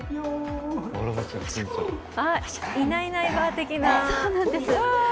いないないばあ的な。